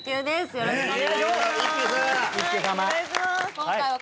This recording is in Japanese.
よろしくお願いします